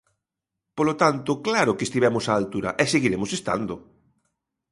Polo tanto, claro que estivemos á altura, e seguiremos estando.